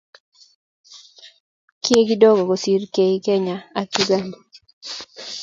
kiek kidogo kosir kei kenya ka uganda